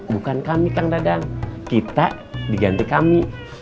bukan kami kang dadang kita diganti kami